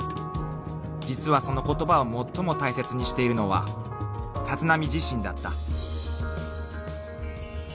［実はその言葉を最も大切にしているのは立浪自身だった］